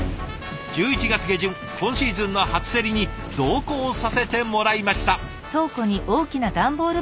１１月下旬今シーズンの初競りに同行させてもらいました。